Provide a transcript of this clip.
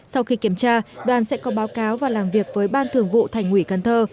sau khi kiểm tra đoàn sẽ có báo cáo và làm việc với ban thường vụ thành ủy cần thơ